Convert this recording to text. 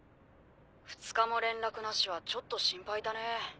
２日も連絡なしはちょっと心配だね。